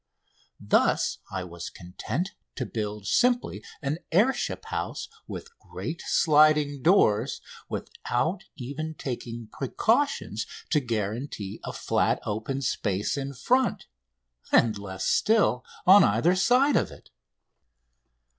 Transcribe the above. Thus I was content to build simply an air ship house with great sliding doors without even taking precautions to guarantee a flat, open space in front, and, less still, on either side of it.